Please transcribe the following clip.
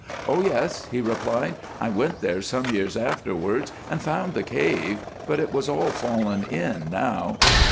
"Oh, yes," he replied, "I went there some years afterwards and found the cave, but it has all fallen in now."